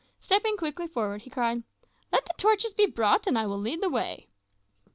Stepping quickly forward, he cried, "Let torches be brought, and I will lead the way."